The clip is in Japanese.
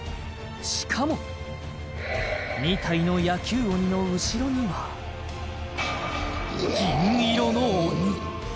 しかも２体の野球鬼の後ろには銀色の鬼